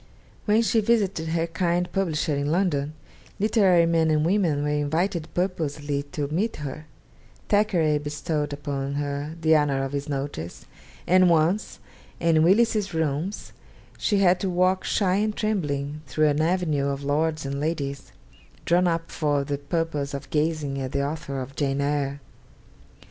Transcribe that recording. When she visited her kind publisher in London, literary men and women were invited purposely to meet her: Thackeray bestowed upon her the honour of his notice; and once in Willis's Rooms, she had to walk shy and trembling through an avenue of lords and ladies, drawn up for the purpose of gazing at the author of 'Jane Eyre.'